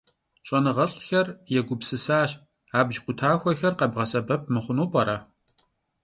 Ş'enığelh'xer yêgupsısaş, abc khutaxuexer khebğesebep mıxhunu p'ere?